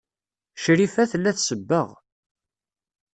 Crifa tella tsebbeɣ.